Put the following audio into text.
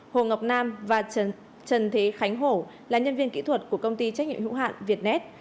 hồ ngọc nam và trần thế khánh hổ là nhân viên kỹ thuật của công ty trách nhiệm hữu hạn việt net